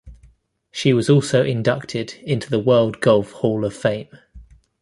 She was also inducted into the World Golf Hall of Fame.